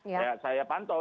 ya saya pantau